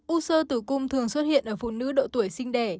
u sơ tử cung thường xuất hiện ở phụ nữ độ tuổi sinh đẻ